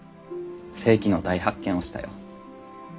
世紀の大発見をしたよ。